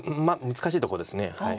難しいとこです。